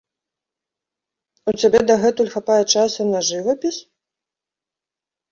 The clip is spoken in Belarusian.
У цябе дагэтуль хапае часу на жывапіс?